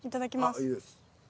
あっいいです。